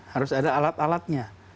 harus ada alat alatnya